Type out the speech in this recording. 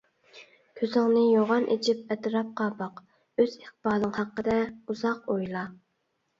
كۆزۈڭنى يوغان ئېچىپ ئەتراپقا باق، ئۆز ئىقبالىڭ ھەققىدە ئويلا ئۇزاق.